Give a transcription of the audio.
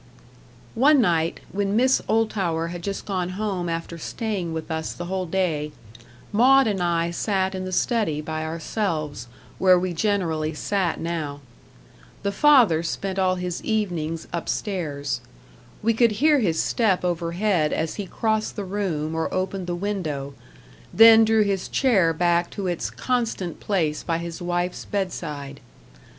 One night, when Miss Oldtower had just gone home after staying with us the whole day Maud and I sat in the study by ourselves, where we generally sat now. The father spent all his evenings up stairs. We could hear his step overhead as he crossed the room or opened the window, then drew his chair back to its constant place by his wife's bedside.